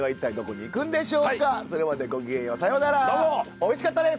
おいしかったです！